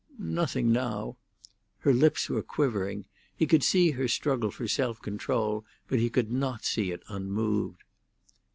"Nothing, now." Her lips were quivering; he could see her struggle for self control, but he could not see it unmoved.